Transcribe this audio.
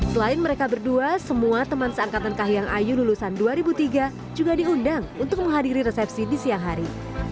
selain mereka berdua semua teman seangkatan kahiyang ayu lulusan dua ribu tiga juga diundang untuk menghadiri resepsi di siang hari